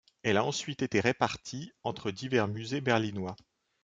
Elle a ensuite été répartie entre divers musées berlinois.